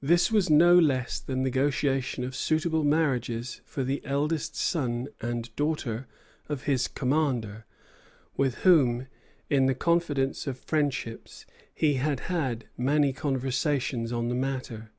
This was no less than the negotiating of suitable marriages for the eldest son and daughter of his commander, with whom, in the confidence of friendship, he had had many conversations on the matter.